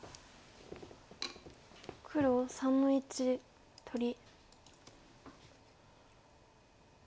黒３の一取り。